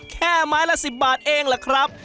แค่ไม้ละ๑๐บาทเองล่ะครับ